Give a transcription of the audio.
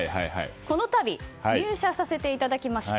この度入社させていただきました。